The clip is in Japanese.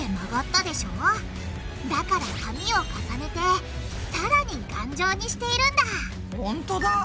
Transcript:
だから紙を重ねてさらに頑丈にしているんだほんとだ。